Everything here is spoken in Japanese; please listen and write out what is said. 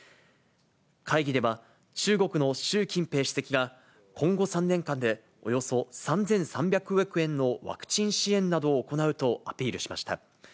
会議では、中国の習近平主席が、今後３年間でおよそ３３００億円のワクチン支援などを行うとアピールしました。